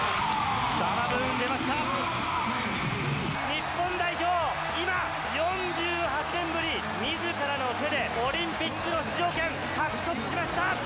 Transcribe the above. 日本代表、今、４８年ぶり、みずからの手でオリンピックの出場権、獲得しました。